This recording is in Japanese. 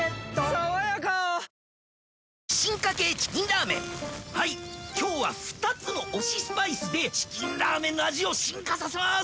誰？はいっ今日は二つの推しスパイスで『チキンラーメン』の味を進化させます